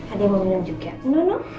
ada yang mau minum juga nono